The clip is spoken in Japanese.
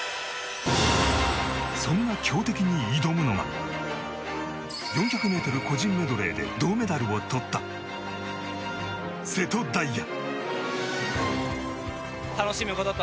そんな強敵に挑むのが４００ｍ個人メドレーで銅メダルをとった瀬戸大也。